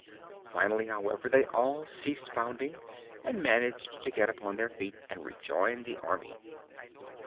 Finally, however, they all ceased bounding and managed to get upon their feet and rejoin the Army.